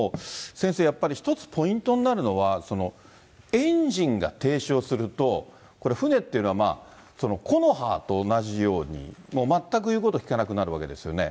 先生、やっぱり一つ、ポイントになるのは、エンジンが停止をすると、船っていうのは木の葉と同じように、全くいうこと聞かなくなるわけですよね。